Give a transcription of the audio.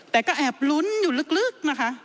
แต่ก็แอบลุ้นอยู่ลึกนะคะ